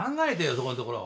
そこんところ。